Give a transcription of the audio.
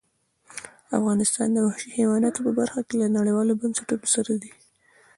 افغانستان د وحشي حیواناتو برخه کې له نړیوالو بنسټونو سره دی.